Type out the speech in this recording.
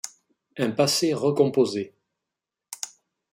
Un passé recomposé.